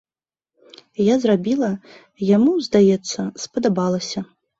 Я зрабіла, яму, здаецца, спадабалася.